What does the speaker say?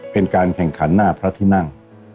เป็นการแข่งขันหน้าพระที่นั่ง